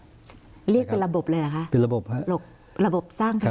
เรียกเป็นระบบเลยหรือคะเป็นระบบครับ